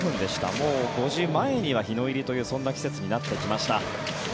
もう５時前には日の入りというそんな季節になってきました。